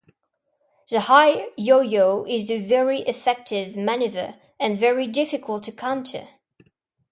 The high Yo-Yo is a very effective maneuver, and very difficult to counter.